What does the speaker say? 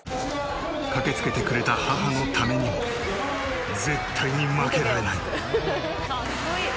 駆けつけてくれた母のためにも絶対に負けられない。